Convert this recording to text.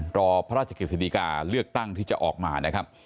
รอพระราชกฤษฎิกาเลือกตั้งที่จะออกมานะครับ